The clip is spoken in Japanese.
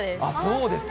そうですか。